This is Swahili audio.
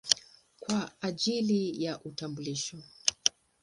kwa ajili ya utambulisho.